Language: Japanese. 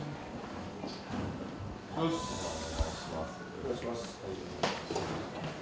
お願いします。